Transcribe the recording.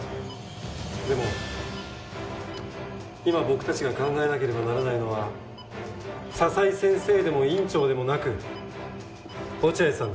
でも今僕たちが考えなければならないのは佐々井先生でも院長でもなく落合さんです。